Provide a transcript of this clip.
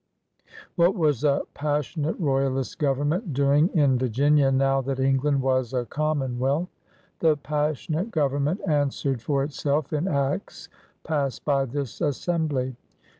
What was a passionate royalist government doing 148 COMMONWEALTH AND RESTORATION 149 in Virginia now that England was a Common wealth? The passionate government answered for itself in acts passed by this Assembly.